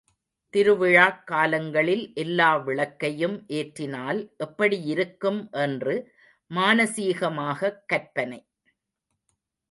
திருவிழாக்காலங்களில் எல்லா விளக்கையும் ஏற்றினால் எப்படியிருக்கும் என்று மானசீகமாகக் கற்பனை.